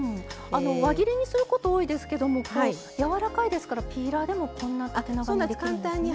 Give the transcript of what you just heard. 輪切りにすること多いですけどもこうやわらかいですからピーラーでもこんな縦長にできるんですね。